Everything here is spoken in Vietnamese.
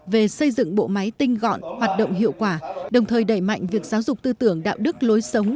về xây dựng bộ máy tinh gọn hoạt động hiệu quả đồng thời đẩy mạnh việc giáo dục tư tưởng đạo đức lối sống